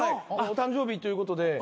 お誕生日ということで。